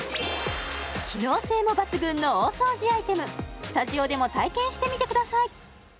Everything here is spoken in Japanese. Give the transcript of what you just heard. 機能性も抜群の大掃除アイテムスタジオでも体験してみてください